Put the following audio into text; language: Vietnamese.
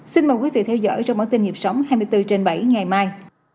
xin mời quý vị theo dõi trong bản tin hiệp sống hai mươi bốn h bảy ngày mai